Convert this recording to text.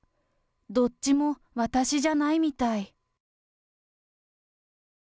どっちも私じゃないみたい。